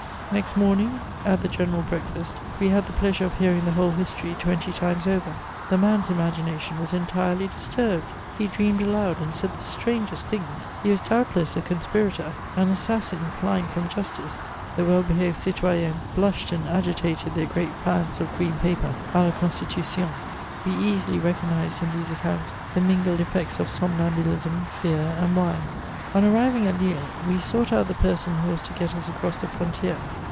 Next morning, at the general breakfast, we had the pleasure of hearing the whole history twenty times over. " The man's imagination was entirely disturbed; he dreamed aloud, and said the strangest things ! he was doubtless a conspirator, an assas sin flying from justice." The well behaved cUoyennes blushed and agitated their great ^ms of green paper a la Constitution, We easily recognised in these accounts &e mingled effects of somnambulism, fear, and wine. On arriving at lille, we sought out the person who was to get us across the frontier.